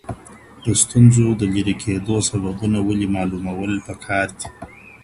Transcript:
د ستونزو د ليري کېدو سببونه ولي معلومول پکار دي؟